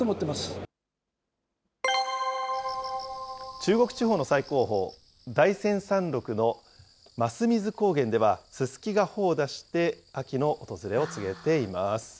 中国地方の最高峰、大山山ろくの桝水高原では、ススキが穂を出して、秋の訪れを告げています。